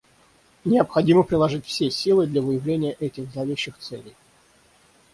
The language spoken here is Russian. Необходимо приложить все силы для выявления этих зловещих целей.